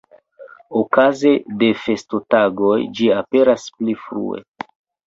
Okaze de festotagoj ĝi aperas pli frue.